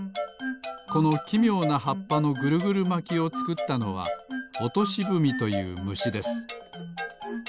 このきみょうなはっぱのぐるぐるまきをつくったのはオトシブミというむしです